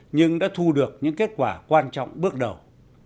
nhưng đã thu được những kết quả quan trọng bước đầu